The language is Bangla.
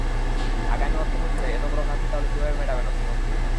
আগামী অর্থবছরের এত বড় ঘাটতি তাহলে কীভাবে মেটাবেন অর্থমন্ত্রী?